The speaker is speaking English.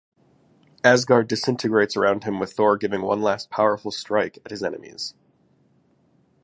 Asgard disintegrates around him with Thor giving one last powerful strike at his enemies.